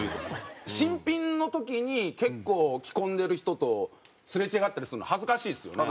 新品の時に結構着込んでる人とすれ違ったりするの恥ずかしいですよね。